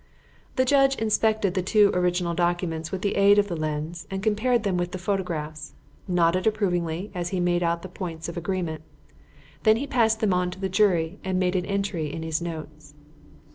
The judge inspected the two original documents with the aid of the lens and compared them with the photographs, nodding approvingly as he made out the points of agreement. Then he passed them on to the jury and made an entry in his notes.